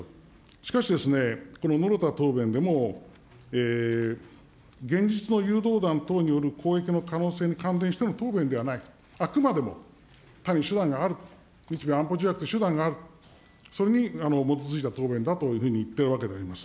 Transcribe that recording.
しかしですね、この野呂田答弁でも、現実の誘導弾等による攻撃の可能性に関連しての答弁ではないと、あくまでも他に手段がある、日米安保条約という手段がある、それに基づいた答弁だというふうに言っているわけであります。